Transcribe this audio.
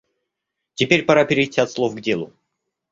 Теперь пора перейти от слов к делу.